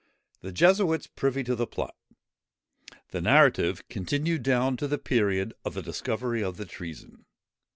THE JESUITS PRIVY TO THE PLOT. THE NARRATIVE CONTINUED DOWN TO THE PERIOD OF THE DISCOVERY OF THE TREASON.